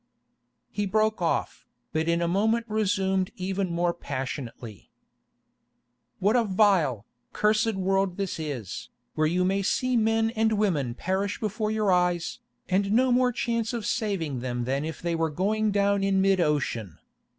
He broke off, but in a moment resumed even more passionately: 'What a vile, cursed world this is, where you may see men and women perish before your eyes, and no more chance of saving them than if they were going down in mid ocean!